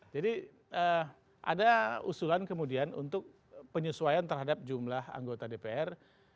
jadi ada usulan kemudian untuk penyesuaian terhadap jumlah anggota dpr